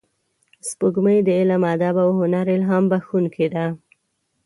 سپوږمۍ د علم، ادب او هنر الهام بخښونکې ده